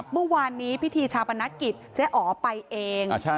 เมื่อวานนี้พิธีชาปนกิจเจ๊อ๋อไปเอง